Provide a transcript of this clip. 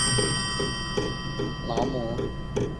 担任山西省工业劳模。